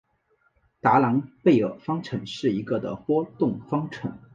达朗贝尔方程是一个的波动方程。